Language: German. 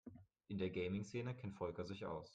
In der Gaming-Szene kennt Volker sich aus.